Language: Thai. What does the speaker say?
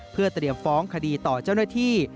เพื่อเตรียมฟ้องคดีต่อเจ้าหน้าที่